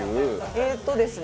えーっとですね